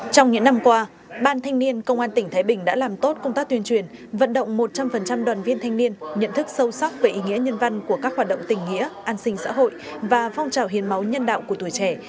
trong những năm qua ban thanh niên công an tỉnh thái bình đã làm tốt công tác tuyên truyền vận động một trăm linh đoàn viên thanh niên nhận thức sâu sắc về ý nghĩa nhân văn của các hoạt động tình nghĩa an sinh xã hội và phong trào hiến máu nhân đạo của tuổi trẻ